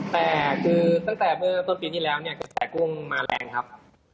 แต่คือตั้งแต่เมื่อต้นปีที่แล้วเนี่ยกระแสกุ้งมาแรงครับ